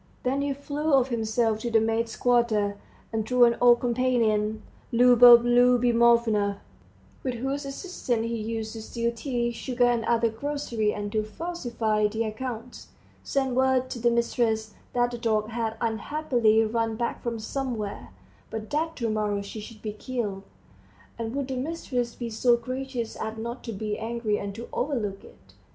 Then he flew off himself to the maids' quarter, and through an old companion, Liubov Liubimovna, with whose assistance he used to steal tea, sugar, and other groceries and to falsify the accounts, sent word to the mistress that the dog had unhappily run back from somewhere, but that to morrow she should be killed, and would the mistress be so gracious as not to be angry and to overlook it.